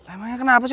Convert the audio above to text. emangnya kenapa sih